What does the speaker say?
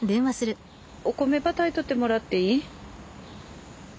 お米ば炊いとってもらっていい？